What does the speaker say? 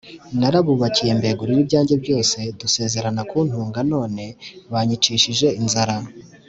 Narabubakiye mbegurira ibyange byose, dusezerana kuntunga, none banyicishije inzara